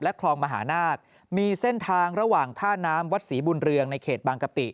และคลองมหานากมีเส้นทางระหว่างท่าน้ำวัดศรีบุญเรือง